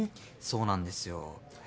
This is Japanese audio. そうなんですよ。